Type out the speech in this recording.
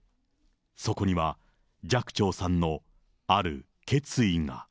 そこには寂聴さんのある決意が。